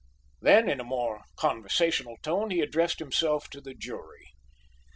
Then in a more conversational tone he addressed himself to the jury.